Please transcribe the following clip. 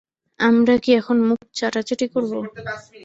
আমরা কি এখন মুখ চাটাচাটি করব?